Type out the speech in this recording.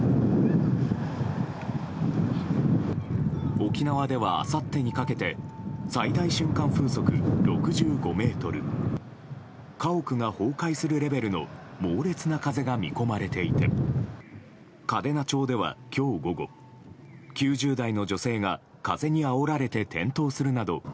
沖縄では、あさってにかけて最大瞬間風速６５メートル家屋が崩壊するレベルの猛烈な風が見込まれていて嘉手納町では今日午後９０代の女性が風にあおられて転倒するなど